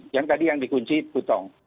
yang tadi yang dikunci kutong